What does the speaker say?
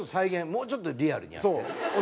もうちょっとリアルにやって。